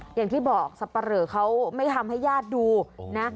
อย่างที่บอกสับปะเหลอเขาไม่ทำให้ญาติดูนะ